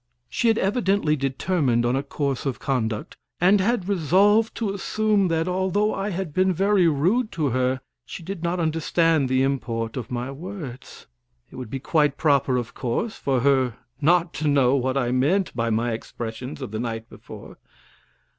She had evidently determined on a course of conduct and had resolved to assume that, although I had been very rude to her, she did not understand the import of my words. It would be quite proper, of course, for her not to know what I meant by my expressions of the night before.